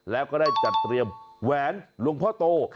แล้วก็ได้จัดเตรียมแหวนหลวงพ่อโต